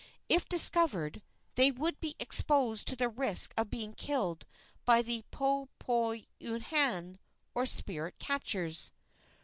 If discovered, they would be exposed to the risk of being killed by the poe poi uhane, or spirit catchers.